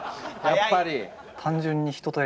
やっぱり。